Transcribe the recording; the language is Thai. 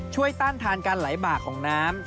ต้านทานการไหลบากของน้ำ